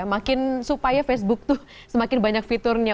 makin supaya facebook tuh semakin banyak fiturnya